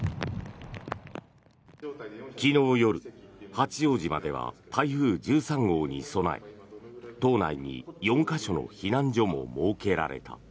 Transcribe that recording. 昨日夜、八丈島では台風１３号に備え島内に４か所の避難所も設けられた。